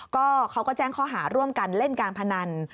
ก็เขาก็แจ้งข้อหาร่วมกันเล่นการพนัน